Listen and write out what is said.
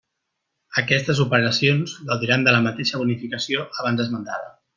Aquestes operacions gaudiran de la mateixa bonificació abans esmentada.